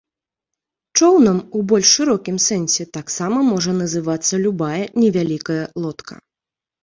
Чоўнам у больш шырокім сэнсе таксама можа называцца любая невялікія лодка.